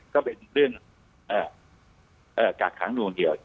ก็เป็นเรื่องกากขังโดนเหี่ยว